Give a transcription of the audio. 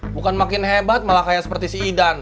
bukan makin hebat malah kayak seperti si idan